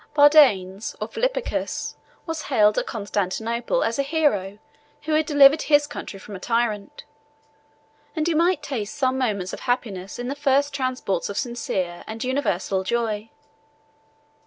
Bardanes, or Philippicus, was hailed at Constantinople as a hero who had delivered his country from a tyrant; and he might taste some moments of happiness in the first transports of sincere and universal joy.